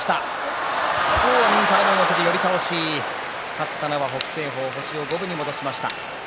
勝ったのは北青鵬星を五分に戻しました。